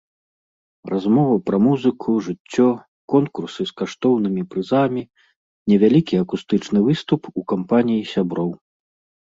Размова пра музыку, жыццё, конкурсы з каштоўнымі прызамі, невялікі акустычны выступ у кампаніі сяброў.